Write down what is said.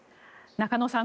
中野さん